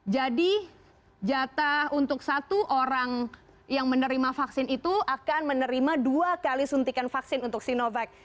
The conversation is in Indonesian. jadi jatah untuk satu orang yang menerima vaksin itu akan menerima dua kali suntikan vaksin untuk sinovac